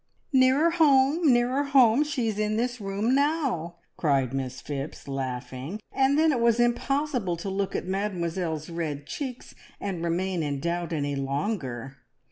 "Nearer home, nearer home! She is in this room now!" cried Miss Phipps, laughing; and then it was impossible to look at Mademoiselle's red cheeks and remain in doubt any longer.